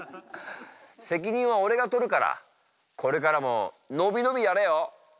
責任はオレが取るからこれからものびのびやれよ！